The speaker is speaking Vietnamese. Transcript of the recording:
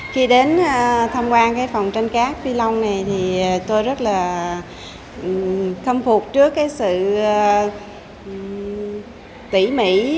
khi đến thăm quan phòng tranh khát phi lông này tôi rất là khâm phục trước sự tỉ mỉ